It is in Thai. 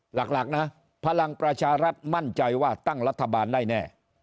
หลักนะพลังประชารัฐมั่นใจว่าตั้งรัฐบาลได้แน่